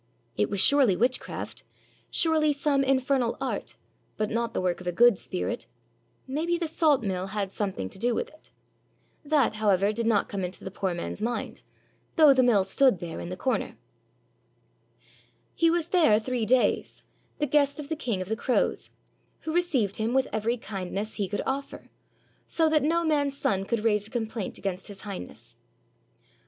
It was surely witchcraft, surely some infernal art, but not the work of a good spirit, — maybe the salt mill had something to do with it. That, however, did not come into the poor man's mind, though the mill stood there in the comer. He was there three days, the guest of the King of the Crows, who received him with every kindness he could offer, so that no man's son could raise a complaint against His Highness.